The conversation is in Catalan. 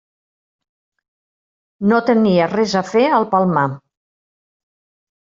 No tenia res a fer al Palmar.